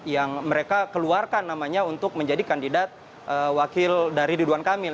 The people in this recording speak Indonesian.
yang mereka keluarkan namanya untuk menjadi kandidat wakil dari ridwan kamil